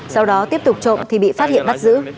sau đó tiếp tục trộm thì bị phát hiện bắt giữ